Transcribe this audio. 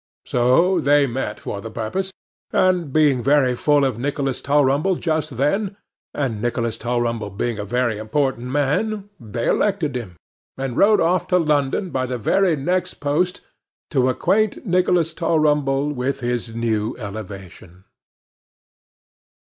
So, they met for the purpose; and being very full of Nicholas Tulrumble just then, and Nicholas Tulrumble being a very important man, they elected him, and wrote off to London by the very next post to acquaint Nicholas Tulrumble with his new elevation.